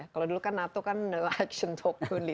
kalau dulu kan nato kan action talk only